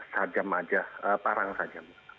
sajam saja parang saja